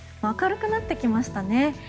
明るくなってきましたね。